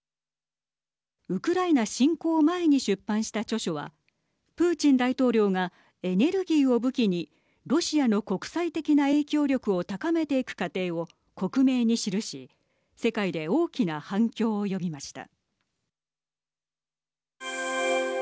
ウクライナ侵攻前に出版した著書はプーチン大統領がエネルギーを武器にロシアの国際的な影響力を高めていく過程を克明に記し世界で大きな反響を呼びました。